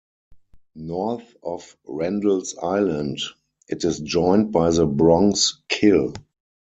North of Randalls Island, it is joined by the Bronx Kill.